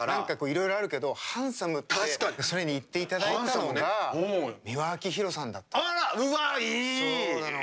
いろいろあるけどハンサムってそれ言っていただいたのが美輪明宏さんだったの。